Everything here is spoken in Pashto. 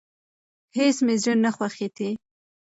هيڅ مي زړه نه غوښتی .